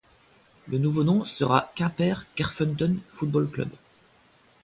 Le nouveau nom sera Quimper Kerfeunteun Football Club.